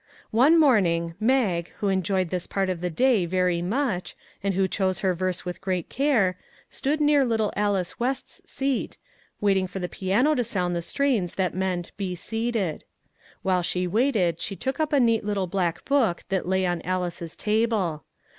One morning Mag, who enjoyed this part of the day very much, and who always chose her verse with great care, stood near little Alice West's seat, waiting for the piano to sound the strains that meant " Be seated." While she waited she took up a neat little black book that lay on Alice's table.